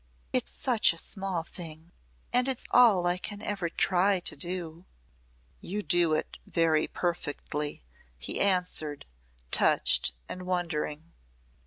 It's such a small thing. And it's all I can ever try to do." "You do it very perfectly," he answered, touched and wondering.